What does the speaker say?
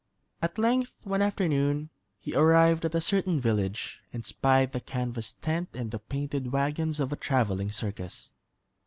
At length, one afternoon, he arrived at a certain village and spied the canvas tent and the painted wagons of a traveling circus.